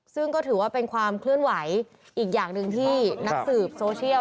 ซึ่งก็ถือว่าเป็นความเคลื่อนไหวอีกอย่างหนึ่งที่นักสืบโซเชียล